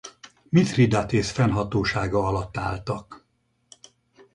Mithridatész fennhatósága alatt álltak.